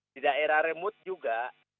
di daerah remote juga